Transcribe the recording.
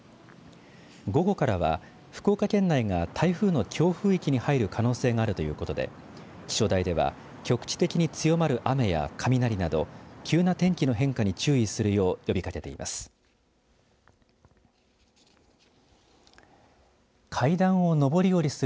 午後からは、福岡県内が台風の強風域に入る可能性があるということで気象台では局地的に強まる雨や雷など急な天気の変化に注意するよう呼びかけています。